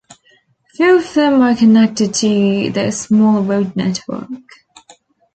Few of them are connected to the small road network.